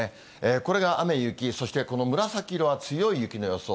これが雨、雪、そしてこの紫色は強い雪の予想。